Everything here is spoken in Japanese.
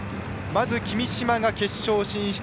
まず君嶋が決勝進出。